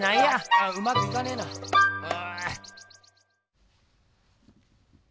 あっうまくいかねえなう。